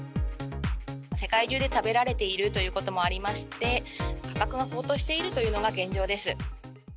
世界中で食べられているということもありまして、価格が高騰しているというのが現状です。